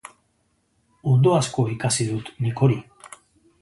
Ondo asko ikasi dut nik hori.